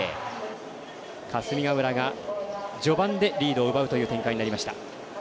霞ヶ浦が序盤でリードを奪うという展開になりました。